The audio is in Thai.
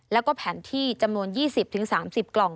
แล้วก็แผนที่จำนวน๒๐๓๐กล่อง